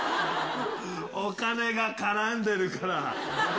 お金が絡んでるから。